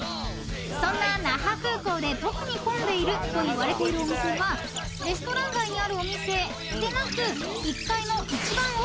［そんな那覇空港で特に混んでいるといわれているお店はレストラン街にあるお店でなく１階の一番奥にある］